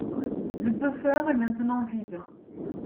Le buffer est maintenant vide.